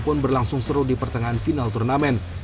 pun berlangsung seru di pertengahan final turnamen